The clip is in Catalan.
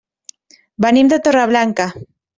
Venim de Torreblanca.